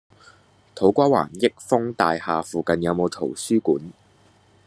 土瓜灣益豐大廈附近有無圖書館？